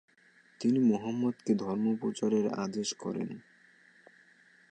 তিনি মহম্মদকে ধর্ম প্রচারের আদেশ করেন।